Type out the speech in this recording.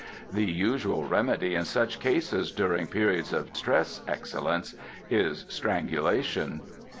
The usual remedy in such cases during periods of stress, Excellence, is strangulation."